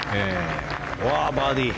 おお、バーディー。